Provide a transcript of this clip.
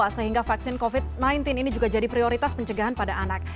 sehingga vaksin covid sembilan belas ini juga jadi prioritas pencegahan pada anak